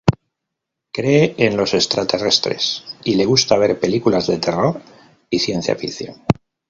Cree en los extraterrestres, y le gusta ver películas de terror y ciencia ficción.